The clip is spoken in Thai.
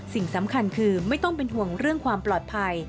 สิ่งสำคัญคือไม่ต้องเป็นห่วงเรื่องความปลอดภัย